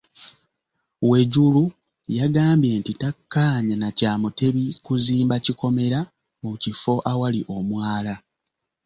Wejuru yagambye nti takkaanya na kya Mutebi kuzimba kikomera mu kifo awali omwala.